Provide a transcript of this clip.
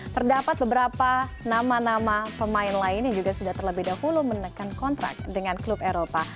terdapat beberapa nama nama pemain lain yang juga sudah terlebih dahulu menekan kontrak dengan klub eropa